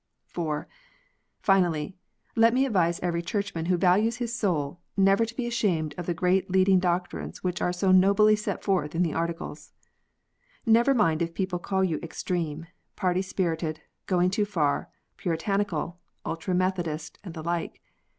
(4) Finally, let me advise every Churchman who values his soul never to be ashamed of the great leading doctrines which are so nobly set forth in the Articles. Never mind if people call you extreme, party spirited, going too far, Puritanical, ultra Methodist, and the like.